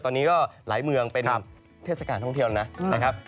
ตอนนี้ก็หลายเมืองเป็นเทศกาลท่องเที่ยวนะครับ